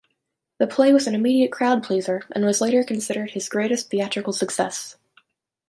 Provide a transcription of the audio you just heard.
The play was an immediate crowd-pleaser, and was later considered his greatest theatrical success.